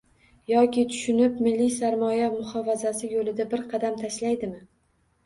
Yoki tushunib, milliy sarmoya muhofazasi yo'lida bir qadam tashlaydimi?